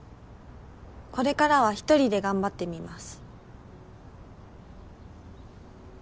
これからは１人で頑張ってみます。